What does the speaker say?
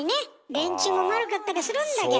電柱も丸かったりするんだけど。